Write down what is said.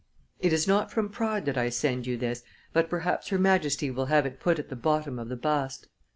It is not from pride that I send you this, but perhaps Her Majesty will have it put at the bottom of the bust."